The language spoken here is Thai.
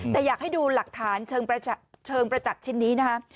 แต่อยากให้ดูหลักฐานเชิงประจักษ์ชิ้นนี้นะคะ